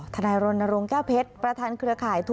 นายรณรงค์แก้วเพชรประธานเครือข่าย